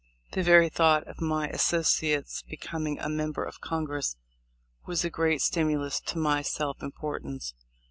The very thought of my associate's becoming a mem ber of Congress was a great stimulus to my self importance.